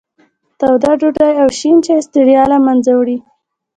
توده ډوډۍ او شین چای ستړیا له منځه وړي.